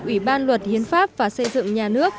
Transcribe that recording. ủy ban luật hiến pháp và xây dựng nhà nước